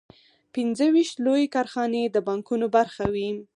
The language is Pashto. پنځه ویشت لویې کارخانې د بانکونو برخه وې